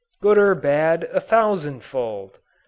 Good or bad a thousand fold!